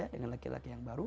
dengan laki laki yang baru